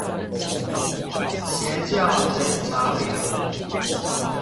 邪教檢查表